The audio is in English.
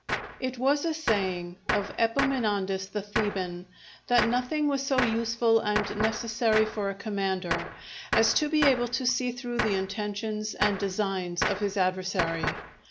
_ It was a saying of Epaminondas the Theban that nothing was so useful and necessary for a commander as to be able to see through the intentions and designs of his adversary.